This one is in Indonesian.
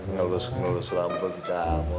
ngelus ngelus rambut kamu